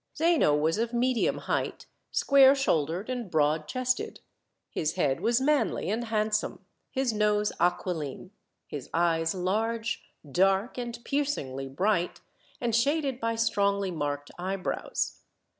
Zeno was of medium height, square shouldered and broad chested. His head was manly and handsome, his nose aquiline, his eyes large, dark, and piercingly bright, and shaded by strongly marked eyebrows.